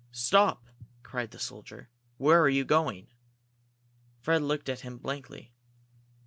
"Stop!" cried the soldier. "Where are you going?" Fred looked at him blankly.